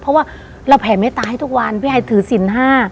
เพราะว่าเราแผ่เมตตาให้ทุกวันพี่ไอถือศิลป๕